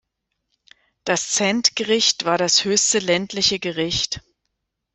Das Zentgericht war das höchste ländliche Gericht.